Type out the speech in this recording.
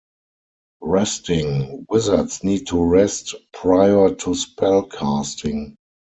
Resting: Wizards need to rest prior to spell casting.